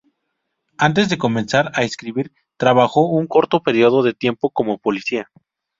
Antes de comenzar a escribir, trabajó un corto periodo de tiempo como policía.